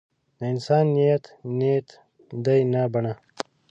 د انسان نیت نیت دی نه بڼه.